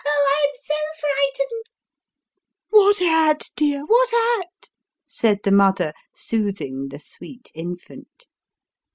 " Oh ! oh I I'm so frightened !"" What at, dear ? what at ?" said the mother, soothing the sweet infant.